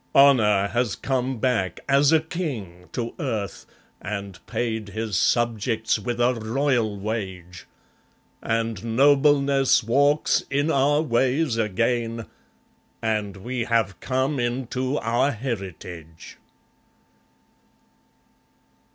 Honour has come back, as a king, to earth, And paid his subjects with a royal wage; And Nobleness walks in our ways again; And we have come into our heritage.